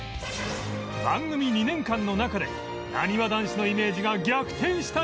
番組２年間の中でなにわ男子のイメージが逆転した瞬間